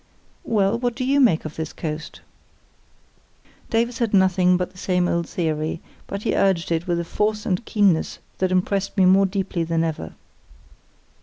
"Well, what do you make of this coast?" Davies had nothing but the same old theory, but he urged it with a force and keenness that impressed me more deeply than ever.